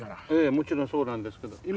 ええもちろんそうなんですけど。